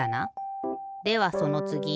ではそのつぎ。